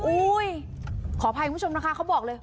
ขออภัยคุณผู้ชมนะคะเขาบอกเลย